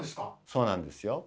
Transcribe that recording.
そうなんですよ。